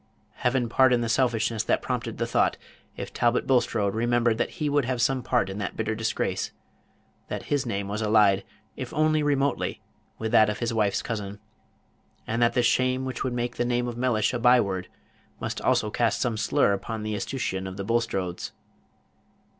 Heaven pardon the selfishness that prompted the thought, if Talbot Bulstrode remembered that he would have some part in that bitter disgrace; that his name was allied, if only remotely, with that of his wife's cousin; and that the shame which would make the name of Mellish a by word must also cast some slur upon the escutcheon of the Bulstrodes.